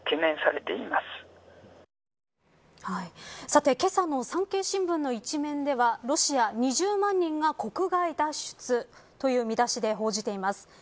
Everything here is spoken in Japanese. さて、けさの産経新聞の１面ではロシア２０万人が国外脱出という見出しで報じています。